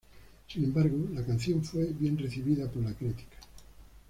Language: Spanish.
Sin embargo, la canción fue bien recibido por la crítica.